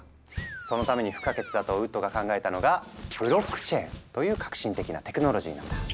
そのために不可欠だとウッドが考えたのが「ブロックチェーン」という超革新的なテクノロジーなんだ。